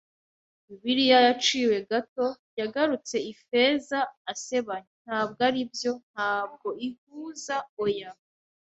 “Bibiliya yaciwe gato!” yagarutse Ifeza asebanya. “Ntabwo aribyo. Ntabwo ihuza oya